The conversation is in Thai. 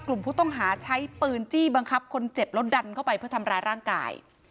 กลุ่มผู้ต้องหาใช้ปืนจี้บังคับคนเจ็บแล้วดันเข้าไปเพื่อทำร้ายร่างกาย